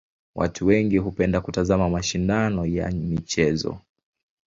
Watu wengi hupenda kutazama mashindano ya michezo.